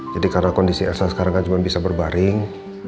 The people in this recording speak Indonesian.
jadi karena kondisi elsa sekarang kan cuma bisa berbaring